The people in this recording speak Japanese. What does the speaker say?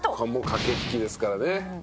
「駆け引きですからね」